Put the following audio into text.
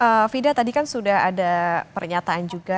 oke fida tadi kan sudah ada pernyataan juga